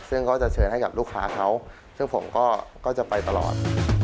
ซึ่งก็จะเชิญให้กับลูกค้าเขาซึ่งผมก็จะไปตลอด